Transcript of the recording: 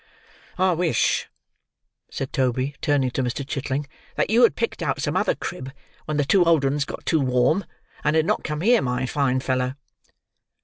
"I wish," said Toby turning to Mr. Chitling, "that you had picked out some other crib when the two old ones got too warm, and had not come here, my fine feller."